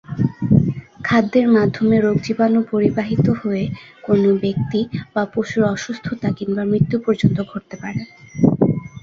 খাদ্যের মাধ্যমে রোগজীবাণু পরিবাহিত হয়ে কোনও ব্যক্তি বা পশুর অসুস্থতা এমনকি মৃত্যু পর্যন্ত ঘটতে পারে।